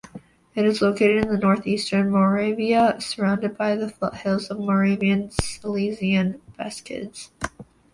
It is located in northeastern Moravia, surrounded by the foothills of the Moravian-Silesian Beskids.